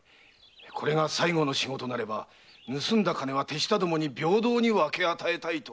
これが最後の仕事なれば盗んだ金は手下どもに平等に分け与えたいと。